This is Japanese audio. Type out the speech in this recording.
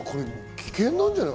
危険なんじゃない？